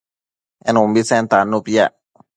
en umbitsen tannu piac